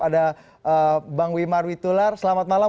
ada bang wimar witular selamat malam